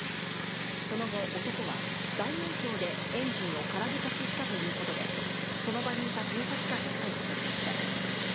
その後、男は大音響でエンジンを空ぶかししたということで、その場にいた警察官に逮捕されました。